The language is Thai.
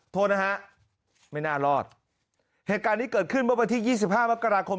โทษนะฮะไม่น่ารอดเหตุการณ์นี้เกิดขึ้นเมื่อวันที่ยี่สิบห้ามกราคม